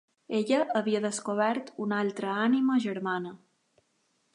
Ella havia descobert una altra ànima germana.